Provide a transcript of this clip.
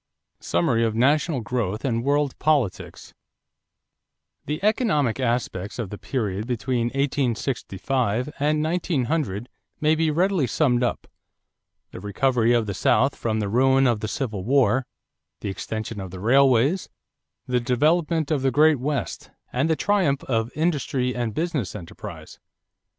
SUMMARY OF NATIONAL GROWTH AND WORLD POLITICS The economic aspects of the period between 1865 and 1900 may be readily summed up: the recovery of the South from the ruin of the Civil War, the extension of the railways, the development of the Great West, and the triumph of industry and business enterprise.